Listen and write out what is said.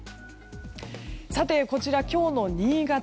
さて、こちら今日の新潟。